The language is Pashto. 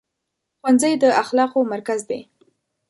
ښوونځی د اخلاقو مرکز دی.